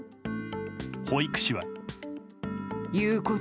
保育士は。